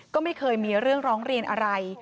ก็ไม่เคยมีเรื่องร้องเรียนอะไร